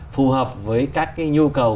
phù hợp với các cái nhu cầu